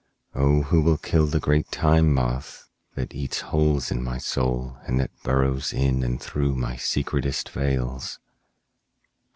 (O who will kill the great Time Moth that eats holes in my soul and that burrows in and through my secretest veils!)